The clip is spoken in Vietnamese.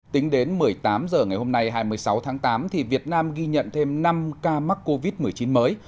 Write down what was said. tính đến một mươi tám h ngày hôm nay hai mươi sáu tháng tám việt nam ghi nhận thêm năm ca mắc covid một mươi chín mới